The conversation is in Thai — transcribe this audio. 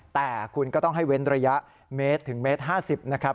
แต่คุณก็ต้องให้เว้นระยะเมตรถึงเมตร๕๐นะครับ